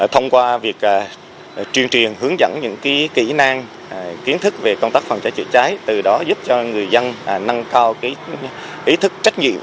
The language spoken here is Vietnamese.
thông qua việc truyền truyền hướng dẫn những kỹ năng kiến thức về công tác phòng cháy chữa cháy từ đó giúp cho người dân nâng cao ý thức trách nhiệm